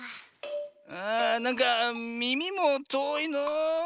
ああなんかみみもとおいのう。